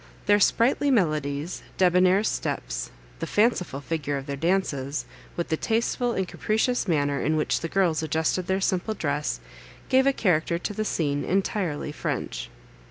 Their sprightly melodies, debonnaire steps, the fanciful figure of their dances, with the tasteful and capricious manner in which the girls adjusted their simple dress, gave a character to the scene entirely French.